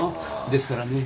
ですからね